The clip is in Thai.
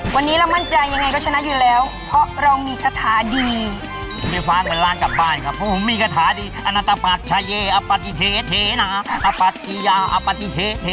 วันนี้เรามั่นใจยังไงก็ชนะอยู่แล้วเพราะเรามีคาถาดี